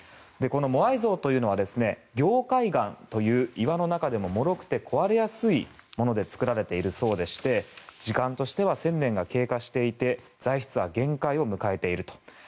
モアイ像というのは凝灰岩という岩の中でももろくて壊れやすいもので作られているものでして時間としては１０００年が経過していて材質は限界を迎えていると。